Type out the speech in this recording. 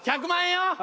１００万円よ！